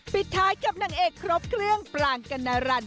ปิดท้ายกับนางเอกครบเครื่องปรางกัณรัน